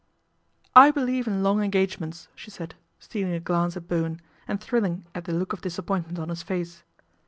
" I believe in long engagements," she said, stealing a glance at Bowen and thrilling at the look of disappointment on his face.